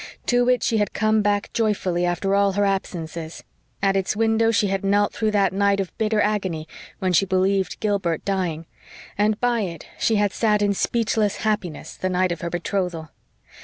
To it she had come back joyfully after all her absences; at its window she had knelt through that night of bitter agony when she believed Gilbert dying, and by it she had sat in speechless happiness the night of her betrothal.